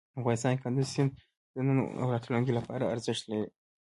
افغانستان کې کندز سیند د نن او راتلونکي لپاره ارزښت لري.